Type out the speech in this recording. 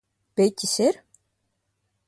Piķis ir?